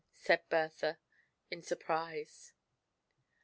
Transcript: said Bertha, in sur prise.